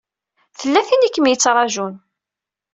Tella tin i kem-yettṛajun.